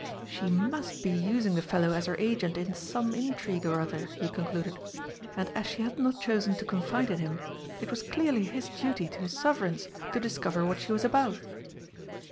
She must be using the fellow as her agent in some intrigue or other, he concluded, and, as she had not chosen to confide in him, it was clearly his duty to his Sovereigns to discover what she was about.